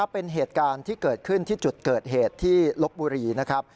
เป็นเหตุการณ์ที่เกิดขึ้นที่จุดเกิดเหตุที่ลบบุรีนะครับ